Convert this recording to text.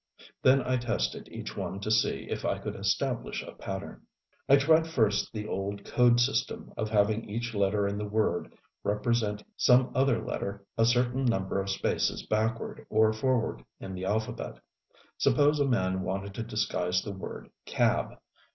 Then I tested each one to see if I could establish a pattern. I tried first the old code system of having each letter in the word represent some other letter a certain number of spaces backward or forward in the alphabet. Suppose a man wanted to disguise the word "cab."